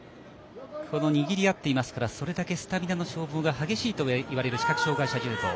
その握り合っていますからそれだけスタミナの消耗が激しいと言われる視覚障がい者柔道。